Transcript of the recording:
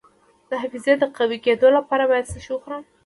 د حافظې د قوي کیدو لپاره باید څه شی وخورم؟